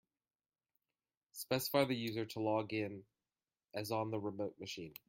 Specify the user to log in as on the remote machine.